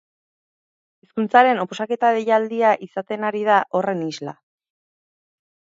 Hezkuntzaren oposaketa deialdia izaten ari da horren isla.